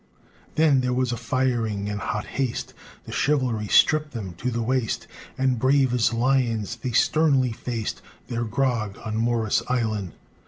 III Then there was firing in hot haste; The chivalry stripped them to the waist, And, brave as lions, they sternly faced Their grog, on Morris' Island!